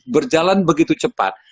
berjalan begitu cepat